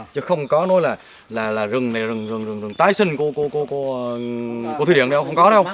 chứ không có nói là rừng này rừng rừng rừng rừng tái sinh của cô thư điện đâu không có đâu